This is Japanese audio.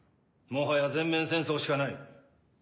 もはや全面戦争しかない。